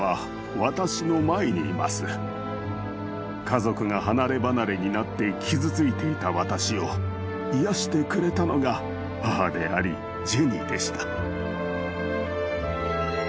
家族が離れ離れになって傷ついていた私を癒やしてくれたのが母でありジェニーでした。